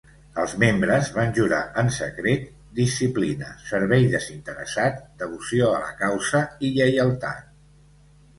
Els membres van jurar en secret, disciplina, servei desinteressat, devoció a la causa i lleialtat.